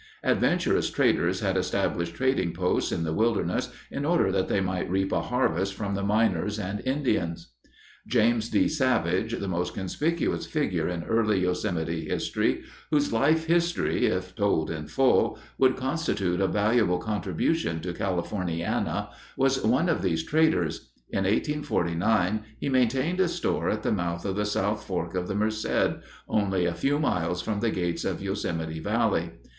Adventurous traders had established trading posts in the wilderness in order that they might reap a harvest from the miners and Indians. James D. Savage, the most conspicuous figure in early Yosemite history, whose life story, if told in full, would constitute a valuable contribution to Californiana, was one of these traders. In 1849 he maintained a store at the mouth of the South Fork of the Merced, only a few miles from the gates of Yosemite Valley.